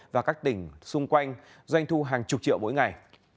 và các tỉnh xung quanh doanh thu hàng chục triệu mỗi ngày